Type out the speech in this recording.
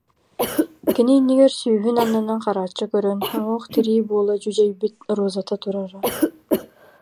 Кини иннигэр сүүһүн аннынан харааччы көрөн, уҥуох-тирии буола дьүдьэйбит Розата турара